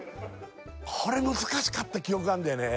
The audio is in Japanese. これ難しかった記憶があんだよね